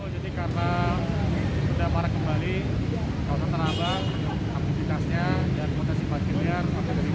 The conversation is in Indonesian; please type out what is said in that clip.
jadi kalau tanah abang aktivitasnya dan potensi parkir liar